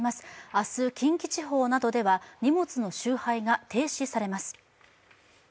明日、近畿地方などでは荷物の集配が停止されます。